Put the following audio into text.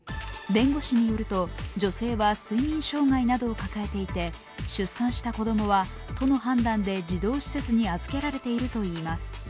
弁護士によると、女性は睡眠障害などを抱えていて出産した子供は都の判断で児童施設に預けられているといいます。